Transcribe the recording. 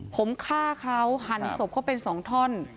ผมฆ่าเขาหันศพเขาเป็น๒ท่อน